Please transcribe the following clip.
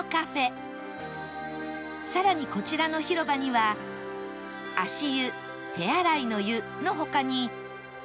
更にこちらの広場には足湯手洗乃湯の他に